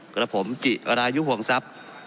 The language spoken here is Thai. ก็ละผมกิอรายุหวงซับ